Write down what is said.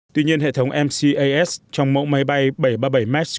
tuy nhiên hệ thống mcas trong mẫu máy bay bảy trăm ba mươi bảy max